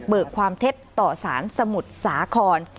ความเท็จต่อสารสมุทรสาคร